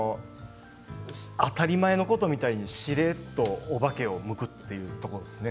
当たり前のことみたいにしれっと、お化けをむくというところですね。